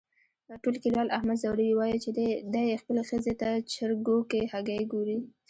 ټول کلیوال احمد ځوروي، وایي چې دی خپلې ښځې ته چرگو کې هگۍ گوري.